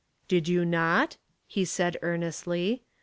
"Did you not?" he said, earnestly.